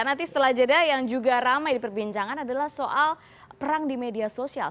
nanti setelah jeda yang juga ramai diperbincangkan adalah soal perang di media sosial